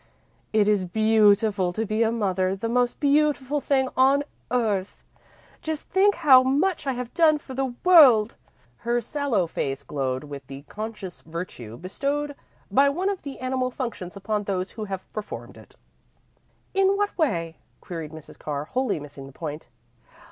"It is beautiful to be a mother the most beautiful thing on earth! Just think how much I have done for the world!" Her sallow face glowed with the conscious virtue bestowed by one of the animal functions upon those who have performed it. "In what way?" queried Mrs. Carr, wholly missing the point.